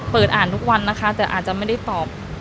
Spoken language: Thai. อ่านทุกวันนะคะแต่อาจจะไม่ได้ตอบ